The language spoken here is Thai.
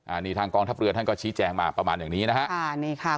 อันนี้ทางกองทัพเรือท่านก็ชี้แจงมาประมาณอย่างนี้นะฮะอ่านี่ค่ะ